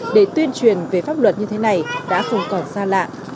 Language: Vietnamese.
để tuyên truyền về pháp luật như thế này đã không còn xa lạ